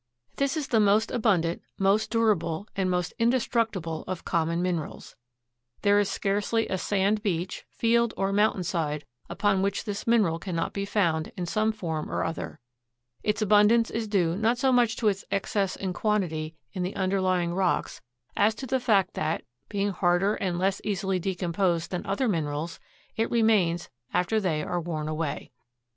This is the most abundant, most durable and most indestructible of common minerals. There is scarcely a sand beach, field or mountain side upon which this mineral cannot be found in some form or other. Its abundance is due not so much to its excess in quantity in the underlying rocks as to the fact that, being harder and less easily decomposed than other minerals, it remains after they are worn away.